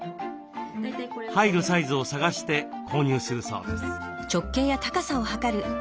入るサイズを探して購入するそうです。